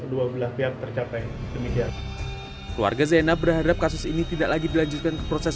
kedua belah pihak tercapai demikian keluarga zainab berhadap kasus ini tidak lagi dilanjutkan ke proses